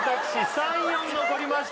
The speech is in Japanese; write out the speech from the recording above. ３４残りました